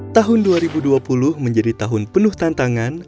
tahun dua ribu dua puluh menjadi tahun penuh tantangan